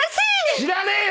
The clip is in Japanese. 知らねえわ！